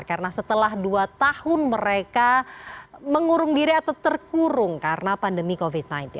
karena setelah dua tahun mereka mengurung diri atau terkurung karena pandemi covid sembilan belas